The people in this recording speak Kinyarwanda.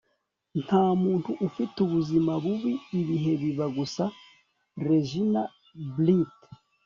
nta muntu ufite ubuzima bubi. ibihe bibi gusa. - regina brett